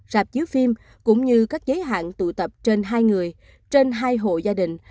rạp dưới phim cũng như các giấy hạn tụ tập trên hai người trên hai hộ gia đình